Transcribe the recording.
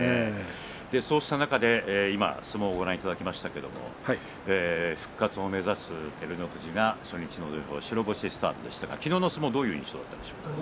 そうした中で相撲をご覧いただきましたけれども復活を目指す照ノ富士が初日の土俵白星スタートでしたが昨日の相撲どうでしたか。